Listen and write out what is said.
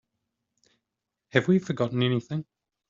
Have we forgotten anything?